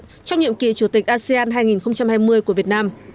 trong nhiệm kỳ chủ tịch asean hai nghìn hai mươi của việt nam